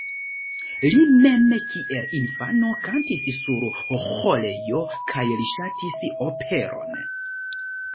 Li mem kiel infano kantis sur ĥorejo kaj li ŝatis operon.